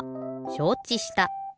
しょうちした。